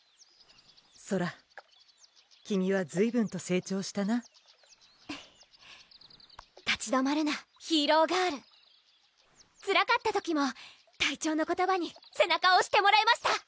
ソラ君はずいぶんと成長したな「立ち止まるなヒーローガール」つらかった時も隊長の言葉に背中をおしてもらえました！